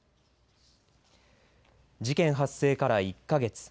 事件発生から１か月。